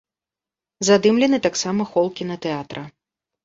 Задымлены таксама хол кінатэатра.